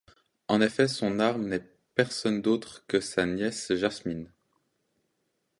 En effet, son arme n’est personne d’autre que sa nièce Jasmine.